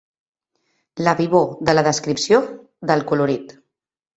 La vivor de la descripció, del colorit.